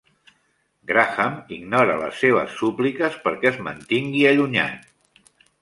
Graham ignora les seves súpliques perquè es mantingui allunyat.